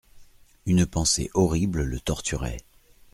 Une pensée horrible le torturait.